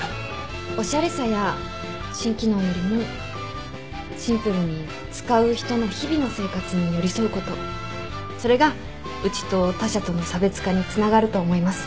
おしゃれさや新機能よりもシンプルに使う人の日々の生活に寄り添うことそれがうちと他社との差別化につながると思います。